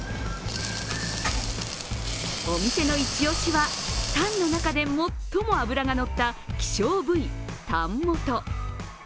お店のイチ押しはタンの中で最も脂がのった希少部位・タン元。